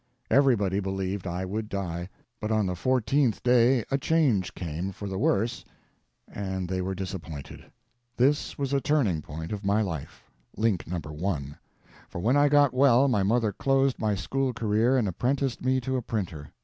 Everybody believed I would die; but on the fourteenth day a change came for the worse and they were disappointed. This was a turning point of my life. (Link number one.) For when I got well my mother closed my school career and apprenticed me to a printer.